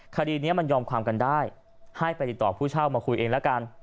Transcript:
คดีนี้มันยอมความกันได้ให้ไปติดต่อผู้เช่ามาคุยเองแล้วกัน